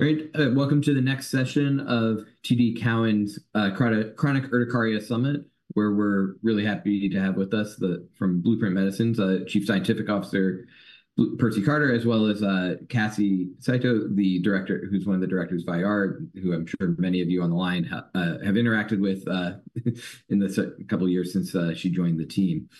Great. Welcome to the next session of TD Cowen's Chronic Urticaria Summit, where we're really happy to have with us from Blueprint Medicines, Chief Scientific Officer Percy Carter, as well as Cassie Saito, the director, who's one of the directors of IR, who I'm sure many of you on the line have interacted with in the couple of years since she joined the team.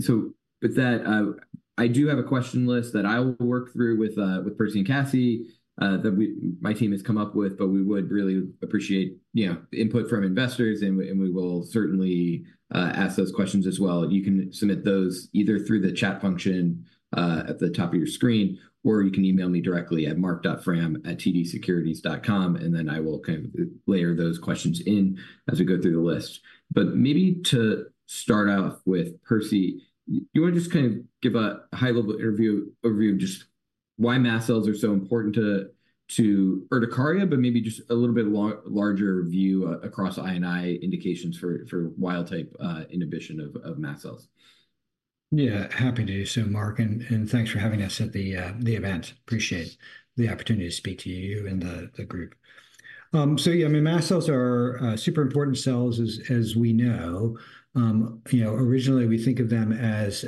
So with that, I do have a question list that I will work through with Percy and Cassie, that my team has come up with, but we would really appreciate, you know, input from investors, and we will certainly ask those questions as well. You can submit those either through the chat function at the top of your screen, or you can email me directly at marc.frahm@tdsecurities.com, and then I will kind of layer those questions in as we go through the list. But maybe to start out with Percy, you want to just kind of give a high-level overview of just why mast cells are so important to urticaria, but maybe just a little bit larger view across I&I indications for wild-type inhibition of mast cells. Yeah, happy to do so, Marc, and thanks for having us at the event. Appreciate the opportunity to speak to you and the group. So yeah, I mean, mast cells are super important cells as we know. You know, originally, we think of them as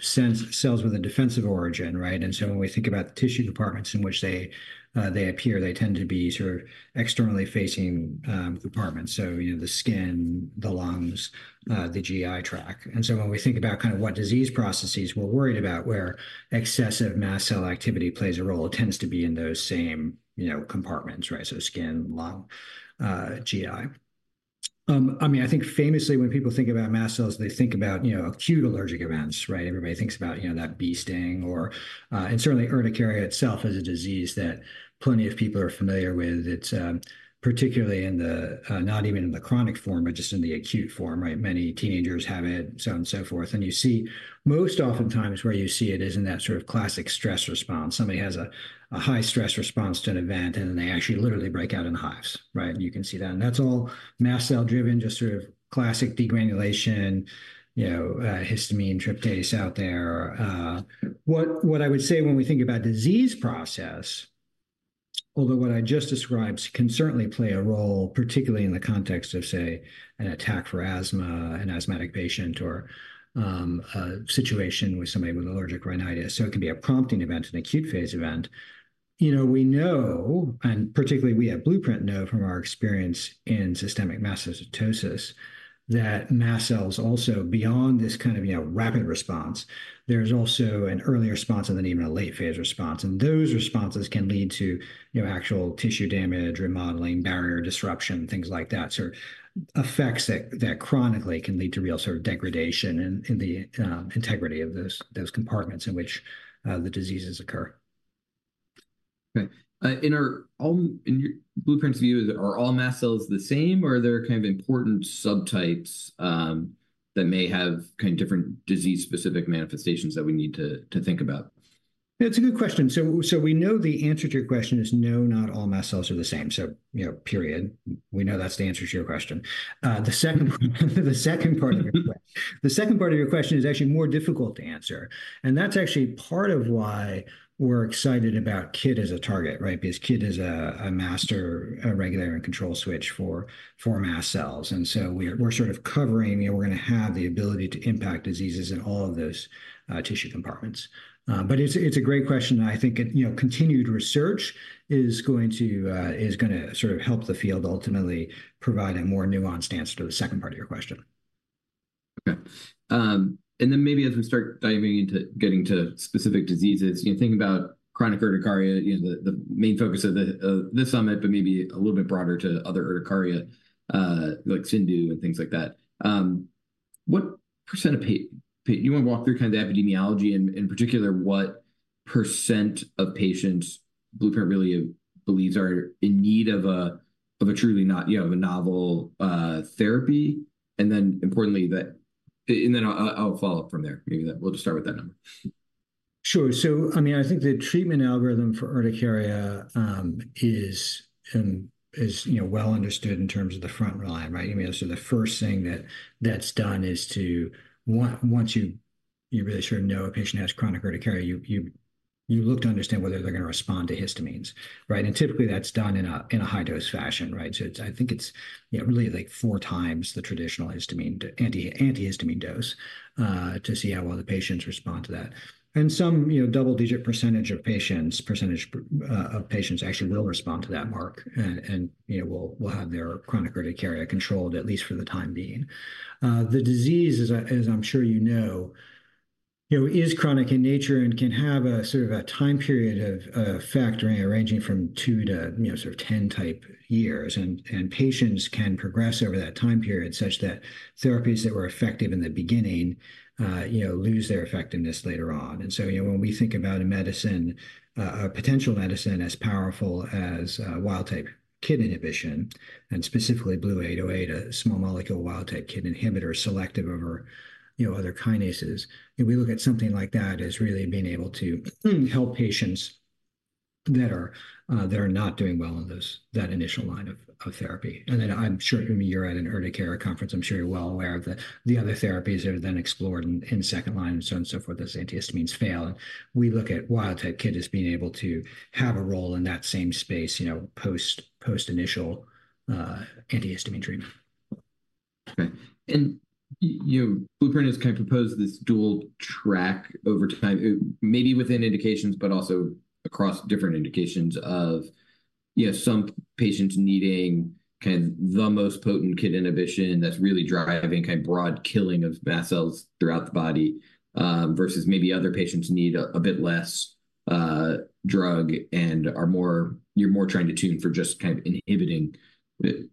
cells with a defensive origin, right? And so when we think about the tissue compartments in which they appear, they tend to be sort of externally facing compartments, so you know, the skin, the lungs, the GI tract. And so when we think about kind of what disease processes we're worried about, where excessive mast cell activity plays a role, it tends to be in those same, you know, compartments, right? So skin, lung, GI. I mean, I think famously, when people think about mast cells, they think about, you know, acute allergic events, right? Everybody thinks about, you know, that bee sting or... And certainly, urticaria itself is a disease that plenty of people are familiar with. It's particularly in the not even in the chronic form, but just in the acute form, right? Many teenagers have it, so on and so forth. And you see, most oftentimes where you see it is in that sort of classic stress response. Somebody has a high-stress response to an event, and then they actually literally break out in hives, right? And you can see that. And that's all mast cell-driven, just sort of classic degranulation, you know, histamine, tryptase out there. What I would say when we think about disease process, although what I just described can certainly play a role, particularly in the context of, say, an attack for asthma, an asthmatic patient, or a situation with somebody with allergic rhinitis, so it can be a prompting event, an acute phase event. You know, we know, and particularly we at Blueprint know from our experience in systemic mastocytosis, that mast cells also, beyond this kind of, you know, rapid response, there's also an early response and then even a late-phase response. Those responses can lead to, you know, actual tissue damage, remodeling, barrier disruption, things like that, sort of effects that chronically can lead to real sort of degradation in the integrity of those compartments in which the diseases occur. Okay. In Blueprint's view, are all mast cells the same, or are there kind of important subtypes that may have kind of different disease-specific manifestations that we need to think about? It's a good question, so we know the answer to your question is no, not all mast cells are the same, so, you know, period. We know that's the answer to your question. The second part of your question is actually more difficult to answer, and that's actually part of why we're excited about KIT as a target, right? Because KIT is a master regulator and control switch for mast cells, and so we're sort of covering, you know, we're gonna have the ability to impact diseases in all of those tissue compartments, but it's a great question, and I think, you know, continued research is going to sort of help the field ultimately provide a more nuanced answer to the second part of your question. Okay. And then maybe as we start diving into getting to specific diseases, you know, the main focus of this summit, but maybe a little bit broader to other urticaria, like CIndU and things like that. What % of patients you want to walk through kind of the epidemiology and, in particular, what % of patients Blueprint really believes are in need of a truly novel therapy? And then importantly, and then I'll follow up from there. Maybe we'll just start with that number. Sure. So, I mean, I think the treatment algorithm for urticaria is well understood in terms of the front line, right? I mean, so the first thing that's done is to once you really sort of know a patient has chronic urticaria, you look to understand whether they're gonna respond to antihistamines, right? And typically, that's done in a high-dose fashion, right? So it's, I think it's, you know, really, like, four times the traditional antihistamine dose to see how well the patients respond to that. And some, you know, double-digit percentage of patients actually will respond to that, Marc, and, you know, will have their chronic urticaria controlled, at least for the time being. The disease, as I'm sure you know, you know, is chronic in nature and can have a sort of a time period of flaring, ranging from two to, you know, sort of twenty years. And patients can progress over that time period such that therapies that were effective in the beginning, you know, lose their effectiveness later on. And so, you know, when we think about a medicine, a potential medicine as powerful as wild-type KIT inhibition, and specifically BLU-808, a small molecule wild-type KIT inhibitor, selective over, you know, other kinases, if we look at something like that as really being able to help patients that are not doing well on that initial line of therapy. Then, I'm sure, I mean, you're at an urticaria conference. I'm sure you're well aware of the other therapies that are then explored in second line and so on and so forth, as antihistamines fail. We look at wild-type KIT as being able to have a role in that same space, you know, post-initial antihistamine treatment. Okay, and you, Blueprint has kind of proposed this dual track over time, maybe within indications, but also across different indications of, you know, some patients needing kind of the most potent KIT inhibition that's really driving kind of broad killing of mast cells throughout the body, versus maybe other patients need a, a bit less, drug and are more you're more trying to tune for just kind of inhibiting the,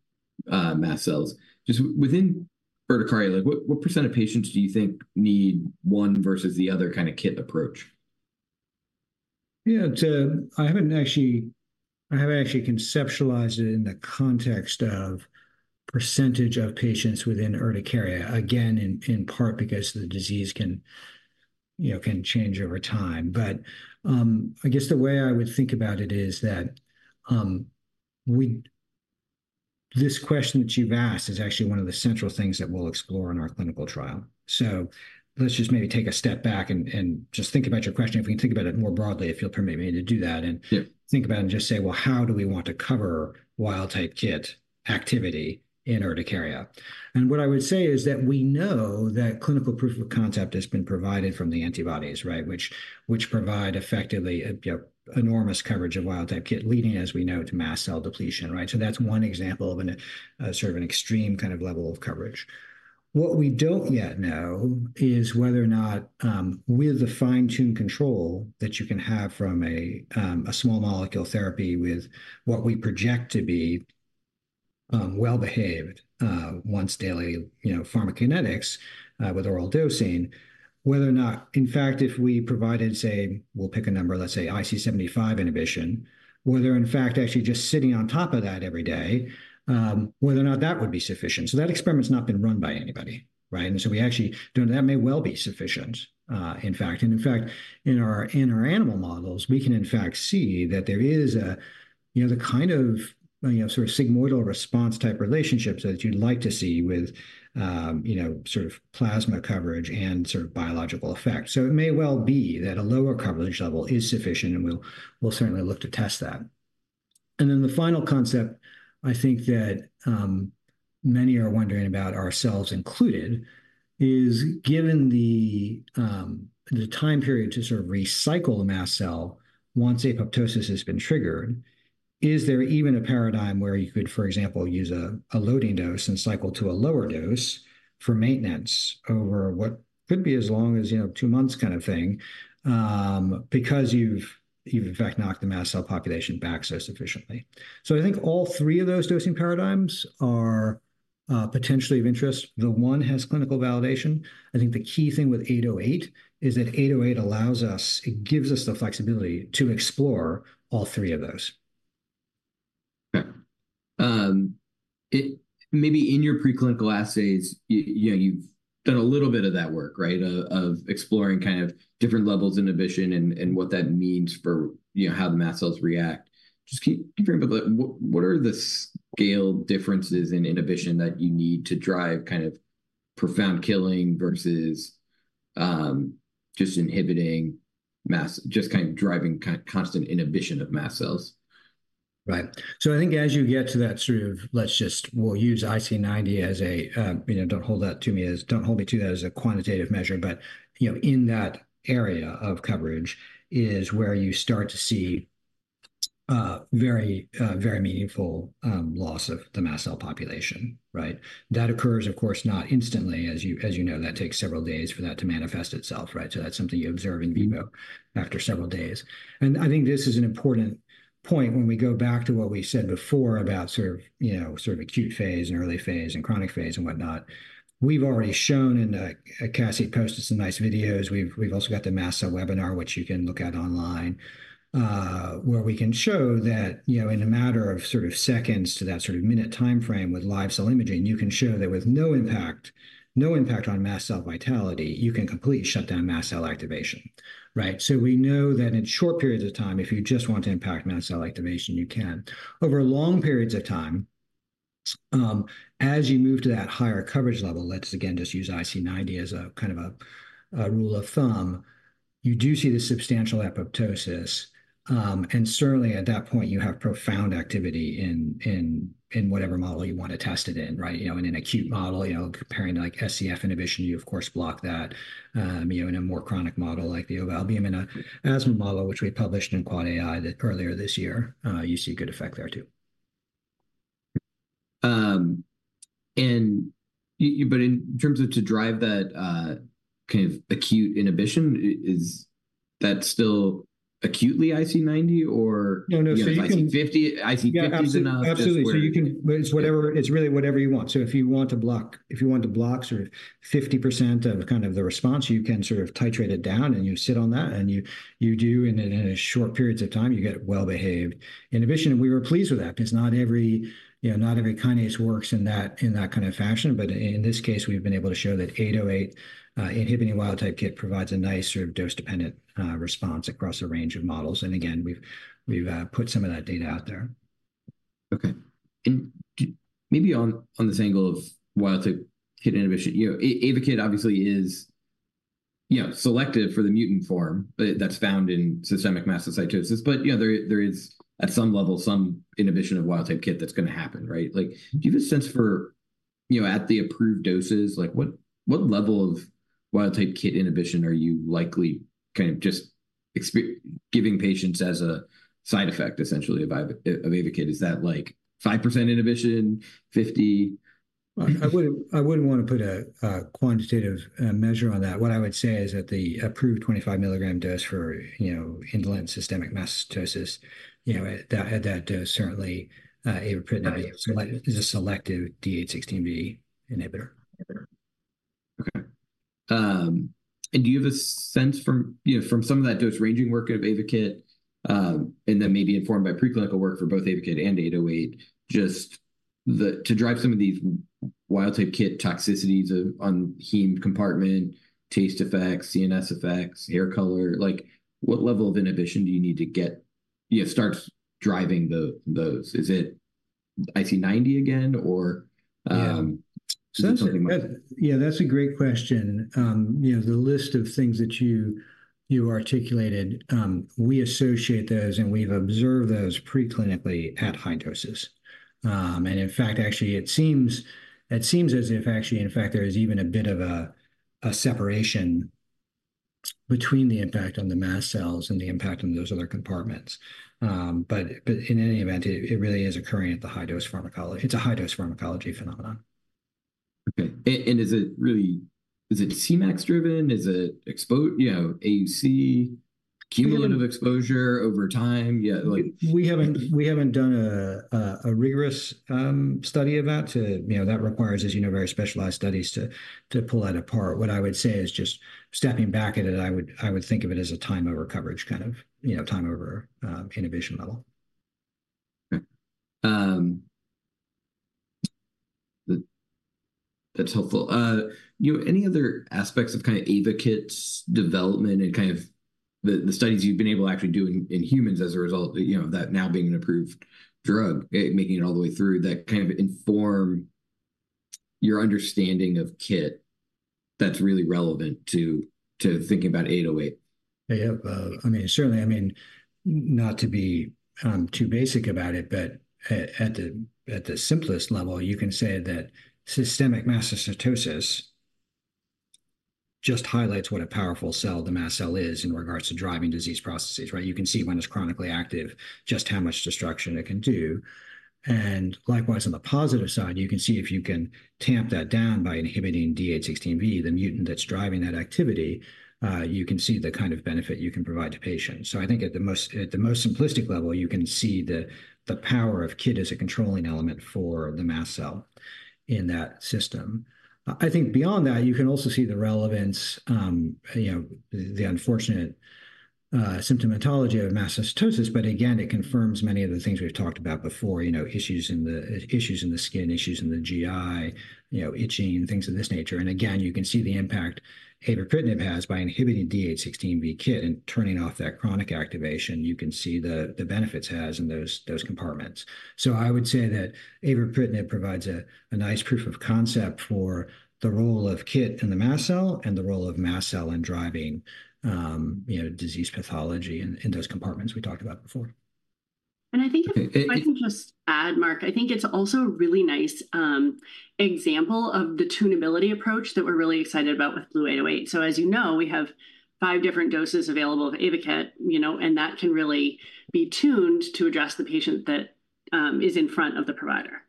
mast cells. Just within urticaria, like, what percent of patients do you think need one versus the other kind of KIT approach? Yeah, I haven't actually conceptualized it in the context of percentage of patients within urticaria, again, in part because the disease can, you know, can change over time. But, I guess the way I would think about it is that this question that you've asked is actually one of the central things that we'll explore in our clinical trial. So let's just maybe take a step back and just think about your question. If we can think about it more broadly, if you'll permit me to do that-... and think about it and just say, well, how do we want to cover wild-type KIT activity in urticaria, and what I would say is that we know that clinical proof of concept has been provided from the antibodies, right? Which provide effectively, you know, enormous coverage of wild-type KIT, leading, as we know, to mast cell depletion, right? So that's one example of an, sort of an extreme kind of level of coverage. What we don't yet know is whether or not, with the fine-tune control that you can have from a small molecule therapy with what we project to be, well-behaved, once-daily, you know, pharmacokinetics, with oral dosing, whether or not, in fact, if we provided, say, we'll pick a number, let's say IC75 inhibition, whether, in fact, actually just sitting on top of that every day, whether or not that would be sufficient. So that experiment's not been run by anybody, right? And so we actually don't know. That may well be sufficient, in fact. In fact, in our animal models, we can in fact see that there is a, you know, the kind of, you know, sort of sigmoidal response-type relationships that you'd like to see with, you know, sort of plasma coverage and sort of biological effect. So it may well be that a lower coverage level is sufficient, and we'll certainly look to test that. And then, the final concept I think that many are wondering about, ourselves included, is given the time period to sort of recycle the mast cell once apoptosis has been triggered, is there even a paradigm where you could, for example, use a loading dose and cycle to a lower dose for maintenance over what could be as long as, you know, two months kind of thing, because you've in fact knocked the mast cell population back so sufficiently? So I think all three of those dosing paradigms are potentially of interest. The one has clinical validation. I think the key thing with 808 is that 808 allows us. It gives us the flexibility to explore all three of those. Yeah. Maybe in your preclinical assays, you know, you've done a little bit of that work, right? Of exploring kind of different levels of inhibition and what that means for, you know, how the mast cells react. Just can you think about what are the scale differences in inhibition that you need to drive kind of profound killing versus just inhibiting just kind of driving constant inhibition of mast cells? Right. So I think as you get to that sort of... let's just, we'll use IC90 as a, you know, don't hold that to me as, don't hold me to that as a quantitative measure. But, you know, in that area of coverage is where you start to see, very, very meaningful, loss of the mast cell population, right? That occurs, of course, not instantly. As you know, that takes several days for that to manifest itself, right? So that's something you observe in vivo after several days. And I think this is an important point when we go back to what we said before about sort of, you know, sort of acute phase and early phase and chronic phase and whatnot. We've already shown, and, Cassie posted some nice videos. We've also got the mast cell webinar, which you can look at online, where we can show that, you know, in a matter of sort of seconds to that sort of minute timeframe with live-cell imaging, you can show that with no impact on mast cell vitality, you can completely shut down mast cell activation, right? So we know that in short periods of time, if you just want to impact mast cell activation, you can. Over long periods of time, as you move to that higher coverage level, let's again just use IC90 as a kind of a rule of thumb, you do see the substantial apoptosis. And certainly, at that point, you have profound activity in whatever model you want to test it in, right? You know, in an acute model, you know, comparing to, like, SCF inhibition, you of course block that. You know, in a more chronic model, like the ovalbumin in an asthma model, which we published in AAAAI earlier this year, you see good effect there, too. But in terms of to drive that kind of acute inhibition, is that still acutely IC90 or- No, no, so you can- IC50, IC50 is enough? Yeah, absolutely. So it's whatever. It's really whatever you want. So if you want to block sort of 50% of kind of the response, you can sort of titrate it down, and you sit on that, and you do. And in a short periods of time, you get well-behaved inhibition. And we were pleased with that because not every, you know, not every kinase works in that kind of fashion. But in this case, we've been able to show that 808 inhibiting wild-type KIT provides a nice sort of dose-dependent response across a range of models. And again, we've put some of that data out there. Okay. And maybe on this angle of wild-type KIT inhibition, you know, Ayvakit obviously is, you know, selective for the mutant form, but that's found in systemic mastocytosis. But, you know, there is, at some level, some inhibition of wild-type KIT that's gonna happen, right? Like, do you have a sense for, you know, at the approved doses, like, what level of wild-type KIT inhibition are you likely kind of just giving patients as a side effect, essentially, of Ayvakit? Is that, like, 5% inhibition, 50%? I wouldn't want to put a quantitative measure on that. What I would say is that the approved 25 milligram dose for you know indolent systemic mastocytosis you know at that dose certainly avapritinib is a selective D816V inhibitor. Okay. And do you have a sense from, you know, from some of that dose-ranging work of Ayvakit, and that may be informed by preclinical work for both Ayvakit and 808, just to drive some of these wild-type KIT toxicities of on heme compartment, taste effects, CNS effects, hair color, like, what level of inhibition do you need to get... Yeah, starts driving the, those? Is it IC90 again, or, Yeah. Something like that. Yeah, that's a great question. You know, the list of things that you articulated, we associate those, and we've observed those preclinically at high doses. And in fact, actually, it seems as if actually, in fact, there is even a bit of a separation between the impact on the mast cells and the impact on those other compartments. But in any event, it really is occurring at the high-dose pharmacology. It's a high-dose pharmacology phenomenon. Okay. And is it really Cmax driven? Is it exposure, you know, AUC? Yeah… cumulative exposure over time? Yeah, like- We haven't done a rigorous study of that. You know, that requires, as you know, very specialized studies to pull that apart. What I would say is just stepping back at it. I would think of it as a time over coverage, kind of, you know, time over inhibition level. Okay. That's helpful. You know, any other aspects of kind of Ayvakit's development and kind of the studies you've been able to actually do in humans as a result, you know, that now being an approved drug, it making it all the way through, that kind of inform your understanding of KIT that's really relevant to thinking about 808? I have, I mean, certainly, I mean, not to be too basic about it, but at the simplest level, you can say that systemic mastocytosis just highlights what a powerful cell the mast cell is in regards to driving disease processes, right? You can see when it's chronically active, just how much destruction it can do. And likewise, on the positive side, you can see if you can tamp that down by inhibiting D816V, the mutant that's driving that activity, you can see the kind of benefit you can provide to patients. So I think at the most simplistic level, you can see the power of KIT as a controlling element for the mast cell in that system. I think beyond that, you can also see the relevance, you know, the unfortunate symptomatology of mastocytosis, but again, it confirms many of the things we've talked about before, you know, issues in the, issues in the skin, issues in the GI, you know, itching, things of this nature, and again, you can see the impact avapritinib has by inhibiting D816V KIT and turning off that chronic activation. You can see the benefits it has in those compartments, so I would say that avapritinib provides a nice proof of concept for the role of KIT in the mast cell and the role of mast cell in driving, you know, disease pathology in those compartments we talked about before. I think- Okay, it- If I can just add, Marc, I think it's also a really nice example of the tunability approach that we're really excited about with BLU-808. So as you know, we have five different doses available of Ayvakit, you know, and that can really be tuned to address the patient that is in front of the provider.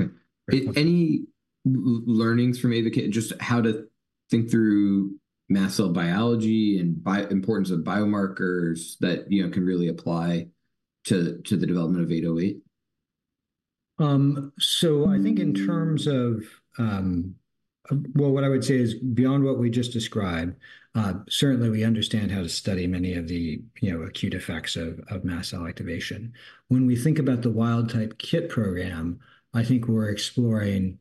Okay. Any learnings from Ayvakit, just how to think through mast cell biology and importance biomarkers that, you know, can really apply to the development of 808? So I think in terms of. Well, what I would say is, beyond what we just described, certainly, we understand how to study many of the, you know, acute effects of mast cell activation. When we think about the wild-type KIT program, I think we're exploring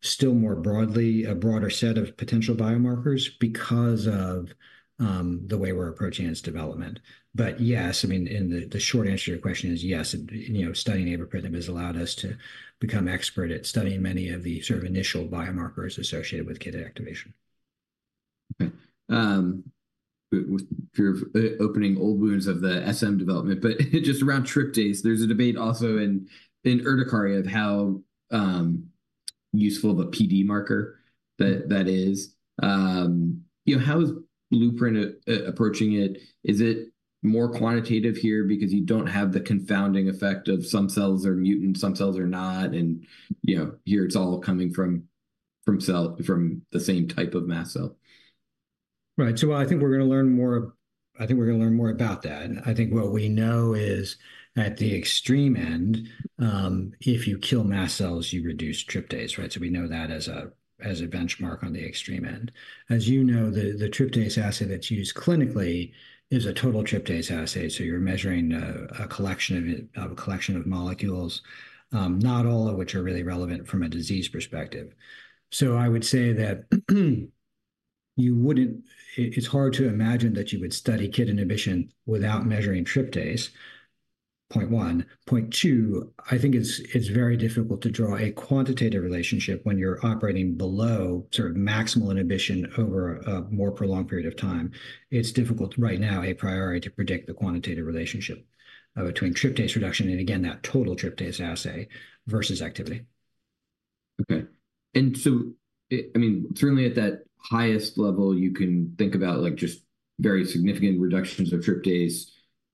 still more broadly, a broader set of biomarkers because of the way we're approaching its development. But yes, I mean, and the short answer to your question is yes. You know, studying avapritinib has allowed us to become expert at studying many of the sort of biomarkers associated with KIT activation. Okay, with fear of opening old wounds of the SM development, but just around tryptase, there's a debate also in urticaria of how useful of a PD marker that is. You know, how is Blueprint approaching it? Is it more quantitative here because you don't have the confounding effect of some cells are mutant, some cells are not, and you know, here it's all coming from the same type of mast cell? Right. So I think we're gonna learn more about that. I think what we know is, at the extreme end, if you kill mast cells, you reduce tryptase, right? So we know that as a benchmark on the extreme end. As you know, the tryptase assay that's used clinically is a total tryptase assay, so you're measuring a collection of it, a collection of molecules, not all of which are really relevant from a disease perspective. So I would say that you wouldn't. It's hard to imagine that you would study KIT inhibition without measuring tryptase. Point one. Point two, I think it's very difficult to draw a quantitative relationship when you're operating below sort of maximal inhibition over a more prolonged period of time. It's difficult right now, a priori, to predict the quantitative relationship between tryptase reduction, and again, that total tryptase assay versus activity. Okay. And so, I mean, certainly at that highest level, you can think about, like, just very significant reductions of tryptase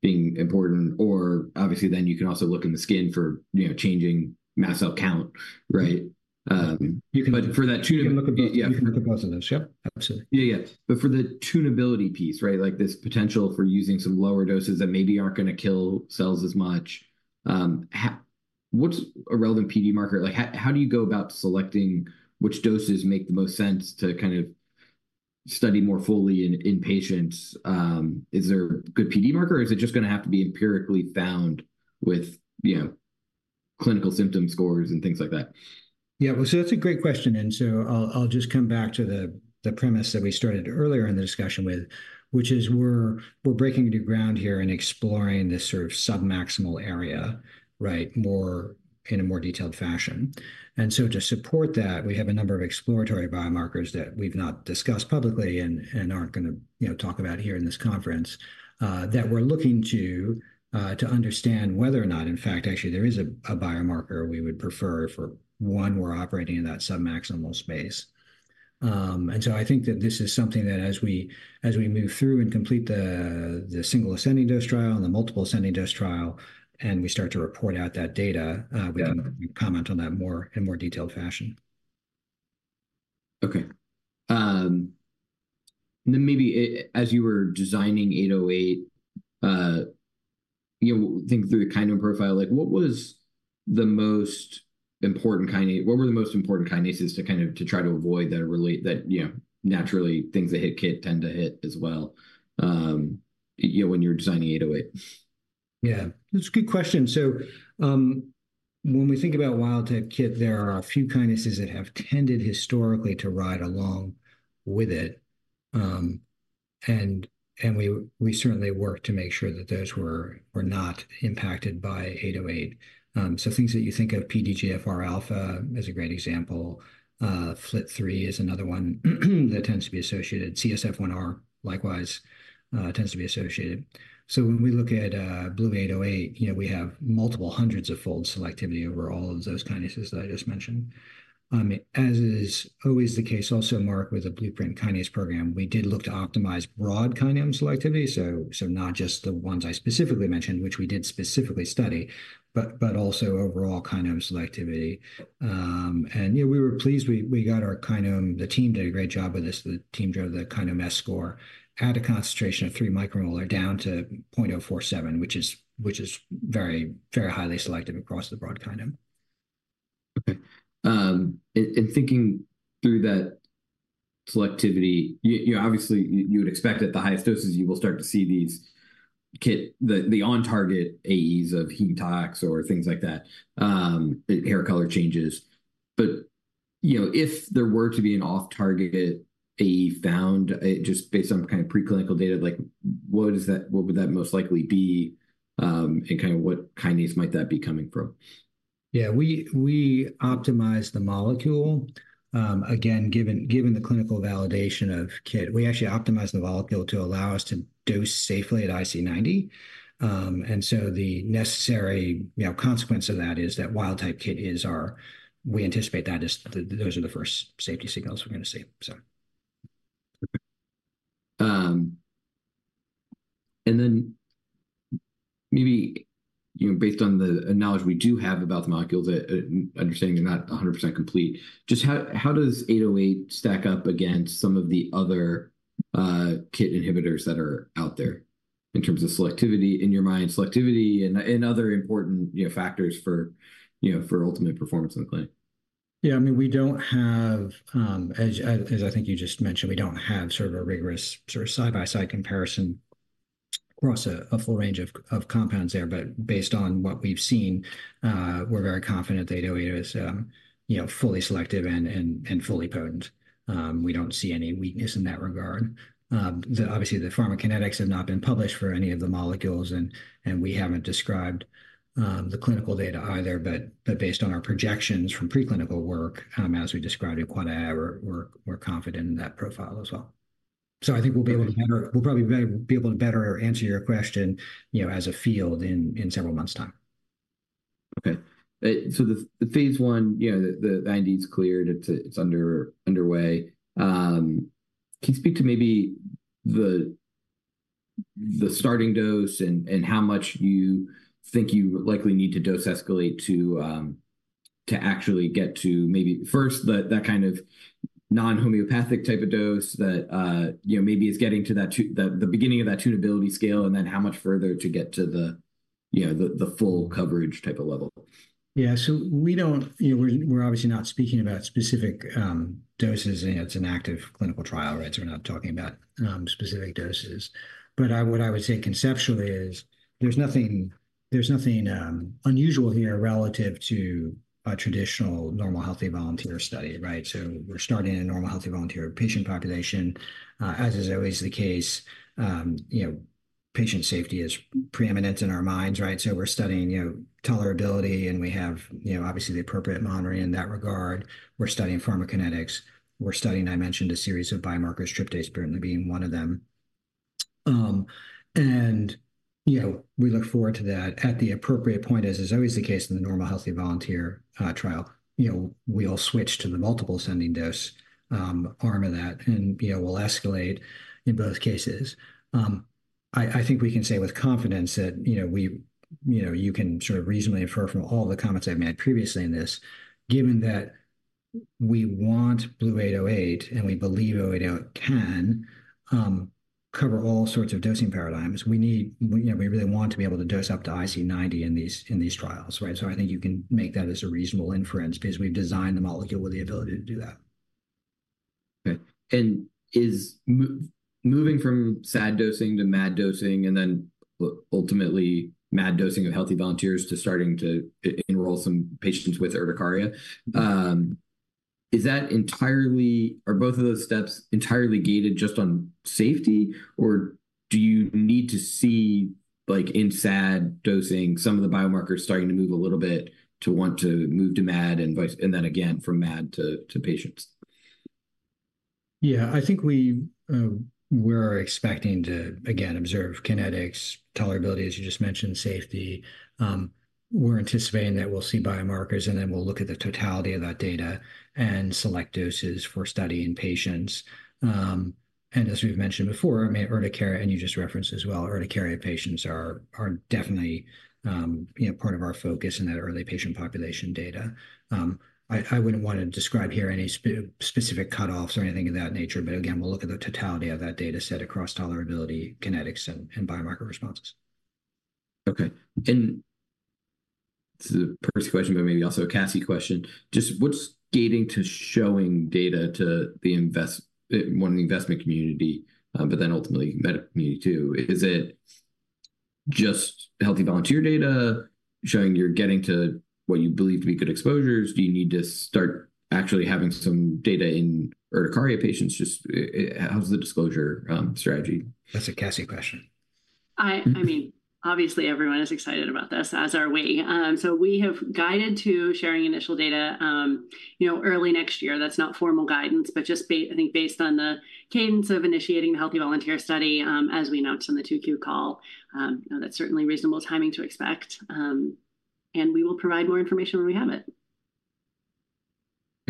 being important, or obviously, then you can also look in the skin for, you know, changing mast cell count, right? But for that two- You can look at- Yeah. You can look at positives, yep, absolutely. Yeah, yeah. But for the tunability piece, right? Like this potential for using some lower doses that maybe aren't gonna kill cells as much, what's a relevant PD marker? Like, how do you go about selecting which doses make the most sense to kind of study more fully in patients? Is there a good PD marker, or is it just gonna have to be empirically found with, you know, clinical symptom scores and things like that? Yeah, well, so that's a great question, and so I'll just come back to the premise that we started earlier in the discussion with, which is we're breaking new ground here and exploring this sort of submaximal area, right? More in a more detailed fashion. And so to support that, we have a number of biomarkers that we've not discussed publicly and aren't gonna, you know, talk about here in this conference that we're looking to understand whether or not, in fact, actually there is a biomarker we would prefer for, one, we're operating in that submaximal space. And so I think that this is something that as we move through and complete the single ascending dose trial and the multiple ascending dose trial, and we start to report out that data we can comment on that more, in more detailed fashion. Okay. Then maybe as you were designing 808, you know, thinking through the kind of profile, like what was the most important kinase-- what were the most important kinases to kind of, to try to avoid that relate, you know, naturally things that hit KIT tend to hit as well, you know, when you were designing 808? Yeah, that's a good question. So when we think about wild-type KIT, there are a few kinases that have tended historically to ride along with it. And we certainly worked to make sure that those were not impacted by BLU-808. So things that you think of, PDGFR alpha is a great example. FLT3 is another one that tends to be associated. CSF1R, likewise, tends to be associated. So when we look at BLU-808, you know, we have multiple hundreds of fold selectivity over all of those kinases that I just mentioned. I mean, as is always the case, also marked with a Blueprint kinase program, we did look to optimize broad kinome selectivity, so not just the ones I specifically mentioned, which we did specifically study, but also overall kinome selectivity. you know, we were pleased we got our kinome S-score. The team did a great job with this. The team drove the kinome S-score at a concentration of three micromolar down to 0.047, which is very, very highly selective across the broad kinome. Okay. In thinking through that selectivity, you know, obviously, you would expect at the highest doses, you will start to see these KIT, the on-target AEs of hemotox or things like that, hair color changes. But, you know, if there were to be an off-target AE found, just based on kind of preclinical data, like what is thatwhat would that most likely be, and kind of what kinase might that be coming from? Yeah, we optimized the molecule. Again, given the clinical validation of KIT, we actually optimized the molecule to allow us to dose safely at IC90. And so the necessary, you know, consequence of that is that wild-type KIT... we anticipate that those are the first safety signals we're gonna see, so... Okay. And then maybe, you know, based on the knowledge we do have about the molecules, understanding they're not 100% complete, just how does 808 stack up against some of the other KIT inhibitors that are out there in terms of selectivity, in your mind, selectivity and other important, you know, factors for, you know, for ultimate performance in the clinic? Yeah, I mean, we don't have, as I think you just mentioned, we don't have sort of a rigorous sort of side-by-side comparison across a full range of compounds there. But based on what we've seen, we're very confident that 808 is, you know, fully selective and fully potent. We don't see any weakness in that regard. Obviously, the pharmacokinetics have not been published for any of the molecules and we haven't described the clinical data either, but based on our projections from preclinical work, as we described at AAAAI, we're confident in that profile as well. So I think we'll be able to better- we'll probably be able to better answer your question, you know, as a field in several months' time. Okay. So the phase I, you know, the IND's cleared, it's underway. Can you speak to maybe the starting dose and how much you think you likely need to dose escalate to, to actually get to maybe first that kind of non-homeopathic type of dose that you know maybe is getting to the beginning of that tunability scale, and then how much further to get to the you know the full coverage type of level? Yeah. So we don't. You know, we're obviously not speaking about specific doses. It's an active clinical trial, right? So we're not talking about specific doses. But what I would say conceptually is, there's nothing unusual here relative to a traditional normal healthy volunteer study, right? So we're starting in a normal healthy volunteer patient population. As is always the case, you know, patient safety is preeminent in our minds, right? So we're studying, you know, tolerability, and we have, you know, obviously the appropriate monitoring in that regard. We're studying pharmacokinetics. We're studying, I mentioned, a series biomarkers, tryptase apparently being one of them. And, you know, we look forward to that. At the appropriate point, as is always the case in the normal healthy volunteer trial, you know, we'll switch to the multiple ascending dose arm of that, and, you know, we'll escalate in both cases. I think we can say with confidence that, you know, we, you know, you can sort of reasonably infer from all the comments I've made previously in this, given that we want BLU-808, and we believe 808 can cover all sorts of dosing paradigms, we need- you know, we really want to be able to dose up to IC90 in these trials, right? So I think you can make that as a reasonable inference because we've designed the molecule with the ability to do that. Okay. And is moving from SAD dosing to MAD dosing, and then, ultimately MAD dosing of healthy volunteers to starting to enroll some patients with urticaria, is that entirely... Are both of those steps entirely gated just on safety, or do you need to see, like in SAD dosing, some of biomarkers starting to move a little bit to want to move to MAD and vice... and then again, from MAD to patients? Yeah, I think we, we're expecting to, again, observe kinetics, tolerability, as you just mentioned, safety. We're anticipating that we'll [monitor] biomarkers, and then we'll look at the totality of that data and select doses for study in patients, and as we've mentioned before, I mean, urticaria, and you just referenced as well, urticaria patients are definitely, you know, part of our focus in that early patient population data. I wouldn't want to describe here any specific cut-offs or anything of that nature, but again, we'll look at the totality of that data set across tolerability, kinetics, and biomarker responses. Okay. And this is a Percy question, but maybe also a Cassie question. Just what's gating to showing data to the investor, the investment community, but then ultimately the medical community, too? Is it just healthy volunteer data showing you're getting to what you believe to be good exposures? Do you need to start actually having some data in urticaria patients? Just, how's the disclosure, strategy? That's a Cassie question. I mean, obviously everyone is excited about this, as are we. So we have guided to sharing initial data, you know, early next year. That's not formal guidance, but just I think based on the cadence of initiating the healthy volunteer study, as we announced on the 2Q call. You know, that's certainly reasonable timing to expect, and we will provide more information when we have it.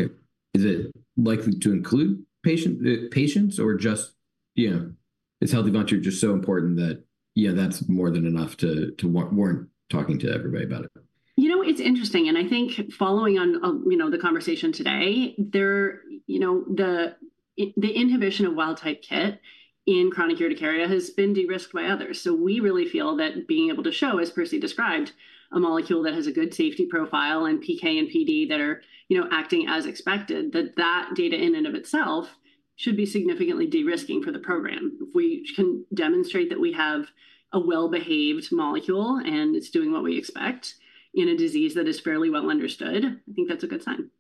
Okay. Is it likely to include patient, patients, or just, you know, is healthy volunteer just so important that, yeah, that's more than enough to warrant talking to everybody about it? You know, it's interesting, and I think following on, you know, the conversation today, you know, the inhibition of wild-type KIT in chronic urticaria has been de-risked by others. So we really feel that being able to show, as Percy described, a molecule that has a good safety profile and PK and PD that are, you know, acting as expected, that that data in and of itself should be significantly de-risking for the program. If we can demonstrate that we have a well-behaved molecule, and it's doing what we expect in a disease that is fairly well understood, I think that's a good sign.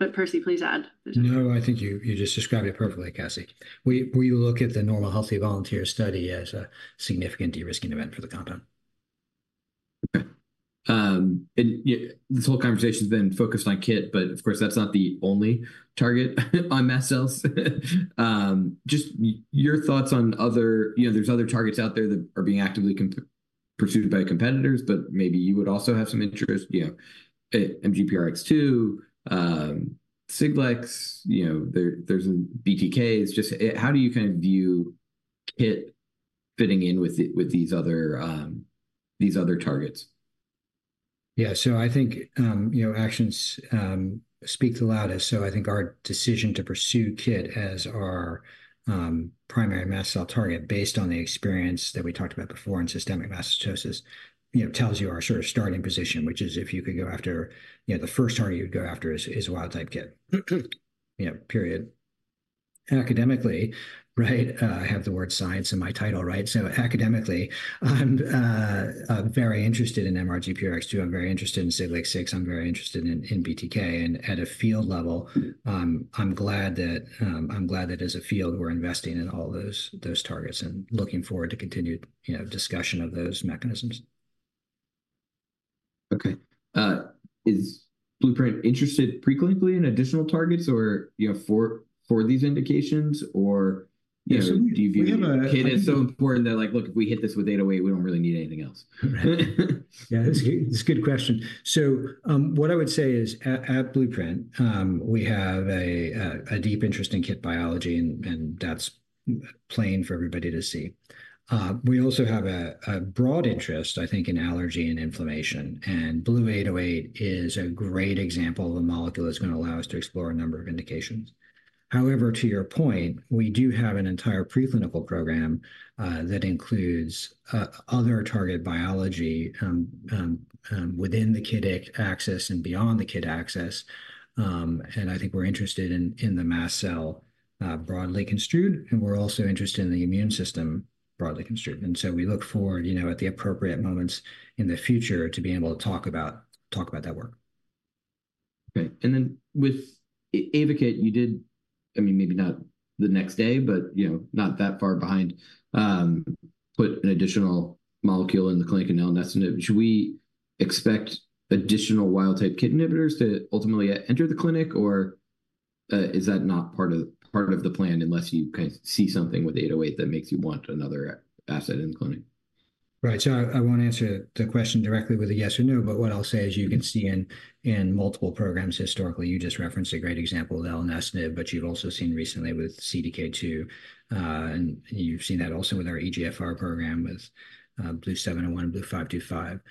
But Percy, please add. No, I think you just described it perfectly, Cassie. We look at the normal healthy volunteer study as a significant de-risking event for the compound. Okay. Yeah, this whole conversation has been focused on KIT, but of course, that's not the only target on mast cells. Just your thoughts on other targets out there that are being actively pursued by competitors, but maybe you would also have some interest. You know, MRGPRX2, Siglec, you know, there's BTK. It's just how do you kind of view KIT fitting in with these other targets? Yeah. So I think, you know, actions speak the loudest, so I think our decision to pursue KIT as our primary mast cell target based on the experience that we talked about before in systemic mastocytosis, you know, tells you our sort of starting position, which is if you could go after... You know, the first target you would go after is a wild type KIT, you know, period. Academically, right, I have the word science in my title, right? So academically, I'm very interested in MRGPRX2. I'm very interested in Siglec-6. I'm very interested in BTK, and at a field level, I'm glad that as a field, we're investing in all those targets and looking forward to continued, you know, discussion of those mechanisms. Okay. Is Blueprint interested pre-clinically in additional targets or, you know, for these indications? Or, you know, do you view- We have a-... KIT as so important that, like, "Look, if we hit this with 808, we don't really need anything else? Right. Yeah, it's a good question. So, what I would say is at Blueprint, we have a deep interest in KIT biology, and that's plain for everybody to see. We also have a broad interest, I think, in allergy and inflammation, and BLU-808 is a great example of a molecule that's gonna allow us to explore a number of indications. However, to your point, we do have an entire pre-clinical program that includes other targeted biology within the KIT axis and beyond the KIT axis. And I think we're interested in the mast cell broadly construed, and we're also interested in the immune system broadly construed. And so we look forward, you know, at the appropriate moments in the future, to be able to talk about that work. Great. And then with Ayvakit, you did, I mean, maybe not the next day, but, you know, not that far behind, put an additional molecule in the clinic, and now that's. Should we expect additional wild-type KIT inhibitors to ultimately enter the clinic, or, is that not part of the plan, unless you kind of see something with 808 that makes you want another asset in the clinic? Right. So I won't answer the question directly with a yes or no, but what I'll say is you can see in multiple programs historically, you just referenced a great example of elenestinib, but you've also seen recently with CDK2, and you've seen that also with our EGFR program with BLU-701 and BLU-945.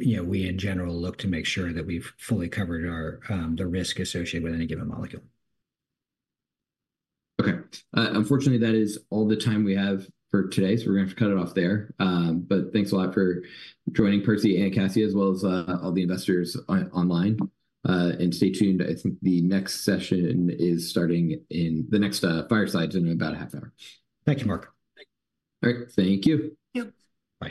You know, we, in general, look to make sure that we've fully covered our the risk associated with any given molecule. Okay. Unfortunately, that is all the time we have for today, so we're gonna have to cut it off there. But thanks a lot for joining Percy and Cassie, as well as all the investors online, and stay tuned. I think the next session is starting. The next fireside is in about a half hour. Thank you, Marc. All right, thank you. Yep.